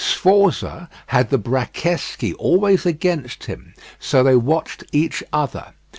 Sforza had the Bracceschi always against him, so they watched each other.